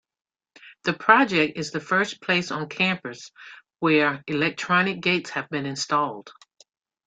The project is the first place on campus where electronic gates have been installed.